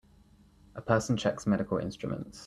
A person checks medical instruments.